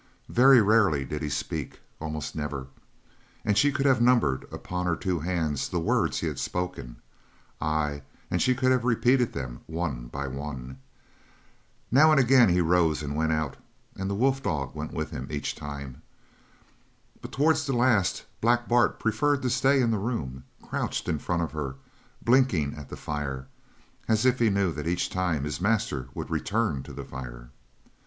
Very rarely did he speak almost never, and she could have numbered upon her two hands the words he had spoken ay, and she could have repeated them one by one. Now and again he rose and went out, and the wolf dog went with him each time. But towards the last Black Bart preferred to stay in the room, crouched in front of her and blinking at the fire, as if he knew that each time his master would return to the fire.